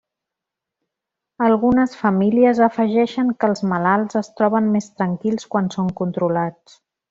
Algunes famílies afegeixen que els malalts es troben més tranquils quan són controlats.